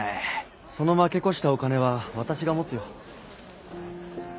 その負け越したお金は私が持つよ。